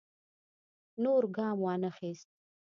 نور ګام وانه خیست.